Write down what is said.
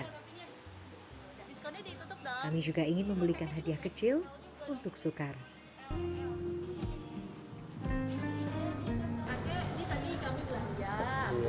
kami juga ingin membelikan hadiah kecil untuk soekarno